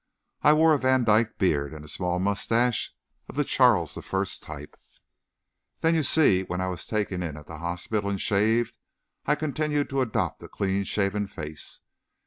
I wore a Vandyke beard, and a small mustache of the Charles I type. "Then you see, when I was taken in at the hospital, and shaved, I continued to adopt a clean shaven face.